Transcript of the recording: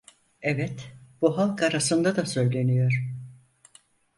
Evet, bu halk arasında da söyleniyor.